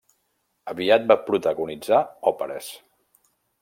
Aviat va protagonitzar òperes.